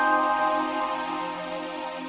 aku juga ingin berterima kasih